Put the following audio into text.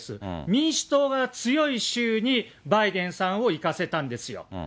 民主党が強い州にバイデンさんを行かせたんですよ。